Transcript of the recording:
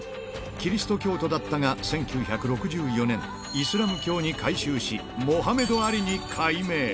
キリスト教徒だったが１９６４年、イスラム教に改宗し、モハメド・アリに改名。